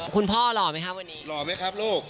พ่อหล่อไหมครับวันนี้หล่อไหมครับลูก